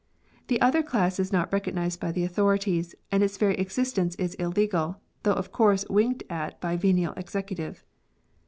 The other class is not recognised by the authorities, and its very existence is illegal, though of course winked at by a venial executive.